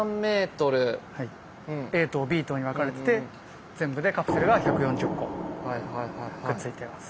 Ａ棟Ｂ棟に分かれてて全部でカプセルが１４０個くっついてます。